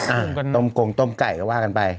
ต้มกงต้มไก่ก็ว่ากันไป